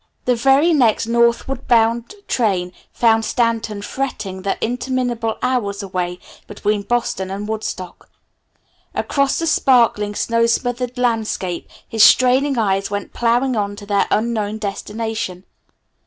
The very next northward bound train found Stanton fretting the interminable hours away between Boston and Woodstock. Across the sparkling snow smothered landscape his straining eyes went plowing on to their unknown destination.